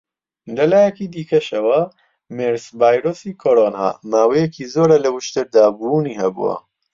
لە لایەکی دیکەشەوە، مێرس-ڤایرۆسی کۆڕۆنا ماوەیەکی زۆرە لە وشتردا بوونی هەبووە.